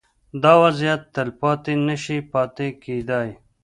دا وضعیت تلپاتې نه شي پاتې کېدای.